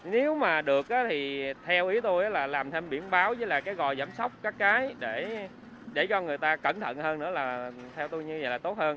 nếu mà được thì theo ý tôi là làm thêm biển báo với lại cái gòi giảm sốc các cái để cho người ta cẩn thận hơn nữa là theo tôi như vậy là tốt hơn